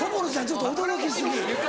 ちょっと驚き過ぎ。